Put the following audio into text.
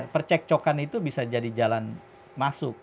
percekcokan itu bisa jadi jalan masuk